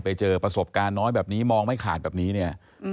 ไปเจอประสบการณ์น้อยแบบนี้มองไม่ขาดแบบนี้เนี่ย